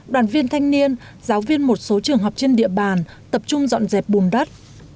đoàn viên thanh niên giáo viên một số trường học trên địa bàn tập trung dọn dẹp bùn đất